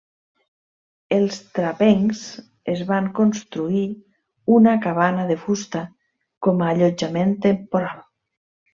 Els trapencs es van construir una cabana de fusta com a allotjament temporal.